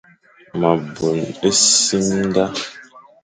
Ma bôn-e-simda,